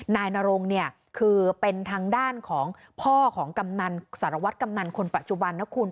นายนรงเนี่ยคือเป็นทางด้านของพ่อของกำนันสารวัตรกำนันคนปัจจุบันนะคุณ